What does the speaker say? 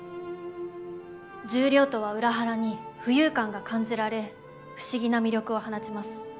重量とは裏腹に浮遊感が感じられ不思議な魅力を放ちます。